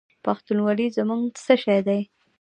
پښتونولي زموږ څه شی دی؟